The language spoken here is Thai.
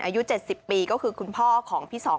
อายุ๗๐ปีก็คือคุณพ่อของพี่สอง